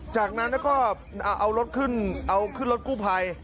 จากนั้นก็เอารถขึ้นรถกู้ไพร